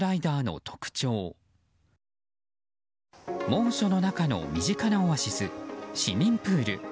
猛暑の中の身近なオアシス市民プール。